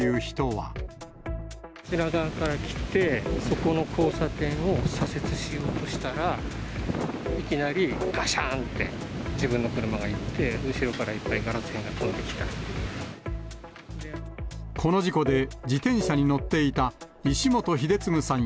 あちら側から来て、そこの交差点を左折しようとしたら、いきなりがしゃーんって、自分の車がいって、後ろからいっぱいガこの事故で、自転車に乗っていた石元英嗣さん